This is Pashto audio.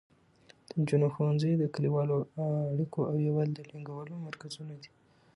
د نجونو ښوونځي د کلیوالو اړیکو او یووالي د ټینګولو مرکزونه دي.